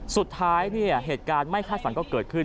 เหตุการณ์เนี่ยเหตุการณ์ไม่คาดฝันก็เกิดขึ้น